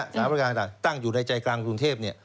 บริการต่างตั้งอยู่ในใจกลางกรุงเทพ